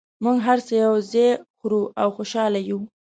موږ هر څه یو ځای خورو او خوشحاله یو